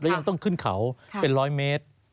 แล้วยังต้องขึ้นเขาเป็นร้อยเมตร